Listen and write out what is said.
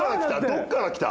どっからきた？